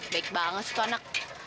baik banget suka anak